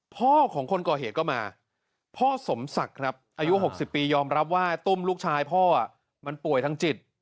พ่อของคนก่อเหตุก็มาพ่อสมศักดิ์ครับอายุ๖๐ปียอมรับว่าตุ้มลูกชายพ่อมันป่วยทางจิต